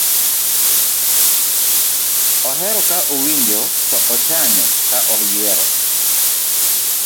ohero ka owinjo to ochanyo ka oyiero